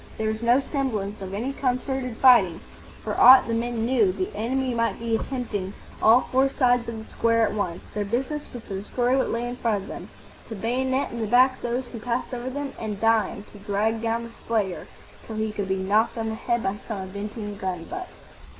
There was no semblance of any concerted fighting. For aught the men knew, the enemy might be attempting all four sides of the square at once. Their business was to destroy what lay in front of them, to bayonet in the back those who passed over them, and, dying, to drag down the slayer till he could be knocked on the head by some avenging gun butt.